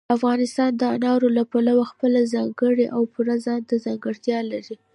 افغانستان د انارو له پلوه خپله ځانګړې او پوره ځانته ځانګړتیا لري.